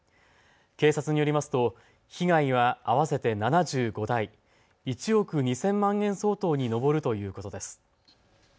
警察によりますと被害は合わせて７５台、１億２０００万円相当に上るということです。